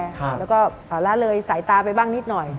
แล้วก็ละเลยสายตาไปบ้างนิดหน่อย